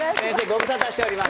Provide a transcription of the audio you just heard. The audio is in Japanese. ご無沙汰しております。